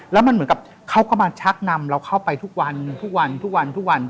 แล้วมันเหมือนกับเขาก็มาชักนำเราเข้าไปทุกวันทุกวันทุกวันทุกวันทุกวันทุกวัน